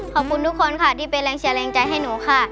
ขอบคุณทุกคนค่ะที่เป็นแรงเชียร์แรงใจให้หนูค่ะ